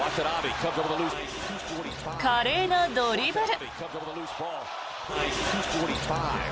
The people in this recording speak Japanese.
華麗なドリブル。